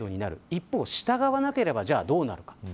一方、従わなければどうなるのか。